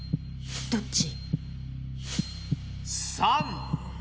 どっち？